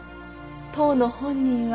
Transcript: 当の本人はほら！